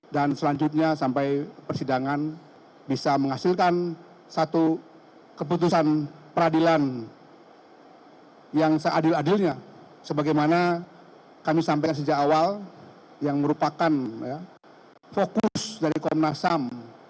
dan selanjutnya sampai persidangan bisa menghasilkan satu keputusan peradilan yang seadil adilnya sebagaimana kami sampaikan sejak awal yang merupakan fokus dari komnas ham